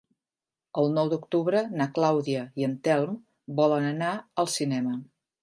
El nou d'octubre na Clàudia i en Telm volen anar al cinema.